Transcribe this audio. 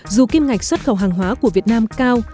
dù kim ngạch xuất khẩu hàng hóa của việt nam cao